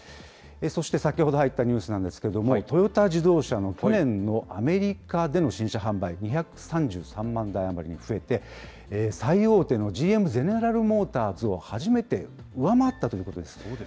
そして、先ほど入ったニュースなんですけれども、トヨタ自動車の去年のアメリカでの新車販売、２３３万台余りに増えて、最大手のＧＭ・ゼネラル・モーターズを初めて上回ったということです。